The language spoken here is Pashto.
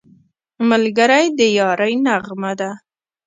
ملګری د یارۍ نغمه ده